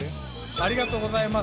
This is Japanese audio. ありがとうございます。